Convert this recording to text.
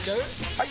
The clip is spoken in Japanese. ・はい！